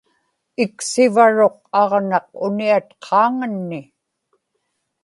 iksivaruq aġnaq uniat qaaŋanni